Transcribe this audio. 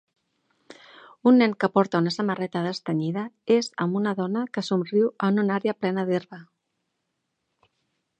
Un nen que porta una samarreta destenyida és amb una dona que somriu en una àrea plena d'herba